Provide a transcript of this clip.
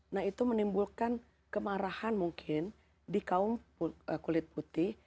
nah itu menimbulkan kemarahan mungkin di kaum kulit putih